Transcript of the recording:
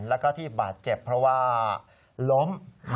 แล้วก็ที่บาดเจ็บเพราะว่าล้ม